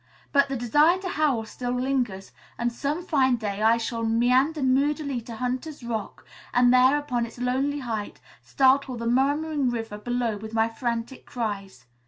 But the desire to howl still lingers, and some fine day I shall meander moodily to Hunter's Rock and there, upon its lonely height, startle the murmuring river below with my frantic cries.